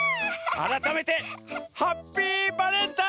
あらためてハッピーバレンタイン！